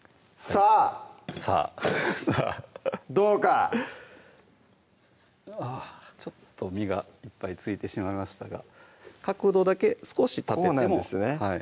さぁさぁどうかあっちょっと身がいっぱい付いてしまいましたが角度だけ少し立ててもこうなんですね